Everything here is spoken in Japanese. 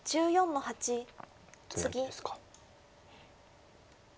ツナギですか。